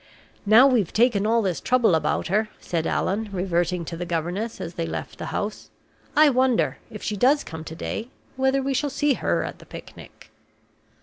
"Now we've taken all this trouble about her," said Allan, reverting to the governess as they left the house, "I wonder, if she does come to day, whether we shall see her at the picnic!"